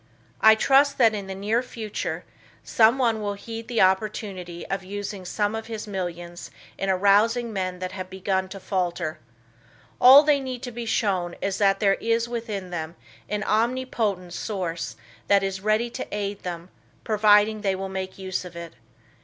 I trust that in the near future, someone will heed the opportunity of using some of his millions in arousing men that have begun to falter. All they need to be shown is that there is within them an omnipotent source that is ready to aid them, providing they will make use of it.